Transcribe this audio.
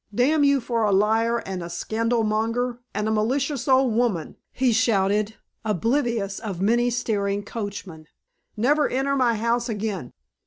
"Damn you for a liar and a scandalmonger and a malicious old woman!" he shouted, oblivious of many staring coachmen. "Never enter my house again."